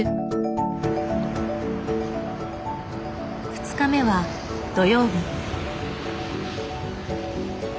２日目は土曜日。